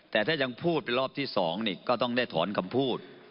แต่ถ้ายังพูดเป็นรอบที่๒นี่ก็ต้องได้ถอนคำพูด